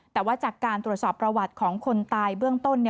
แต่ว่าจากการตรวจสอบประวัติของคนตายเบื้องต้น